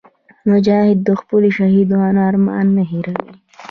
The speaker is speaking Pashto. مجاهد د خپلو شهیدانو ارمان نه هېروي.